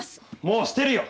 もうしてるよ！